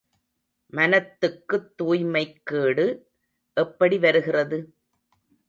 மனத்துக்குத் துய்மைக்கேடு எப்படி வருகிறது?